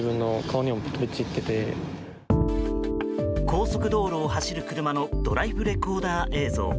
高速道路を走る車のドライブレコーダー映像。